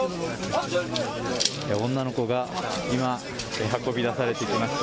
女の子が今、運び出されてきました。